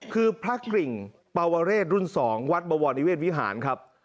คือพระกริ่งปวเรศรุ่น๒วัดบวรนิเวศวิหารครับ